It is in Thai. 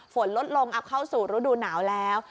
ฝนลดลงเอาเข้าสู่ฤดูหนาวแล้ว